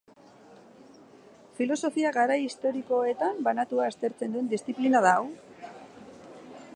Filosofia garai historikoetan banatua aztertzen duen disziplina da hau.